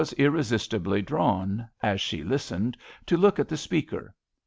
129 irresistibly drawn as she listened to look at the speaker.